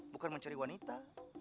bukan mencari wanita